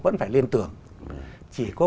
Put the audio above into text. vẫn phải lên tường chỉ có